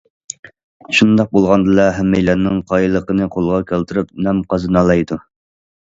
شۇنداق بولغاندىلا ھەممەيلەننىڭ قايىللىقىنى قولغا كەلتۈرۈپ نام قازىنالايدۇ.